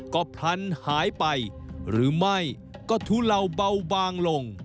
ก็พลันหายไปหรือไม่ก็ทุเลาเบาบางลง